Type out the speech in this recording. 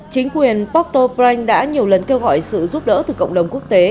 chính quyền port au prince đã nhiều lần kêu gọi sự giúp đỡ từ cộng đồng quốc tế